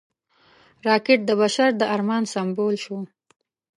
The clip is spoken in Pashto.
راکټ د بشر د ارمان سمبول شو